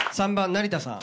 成田さん。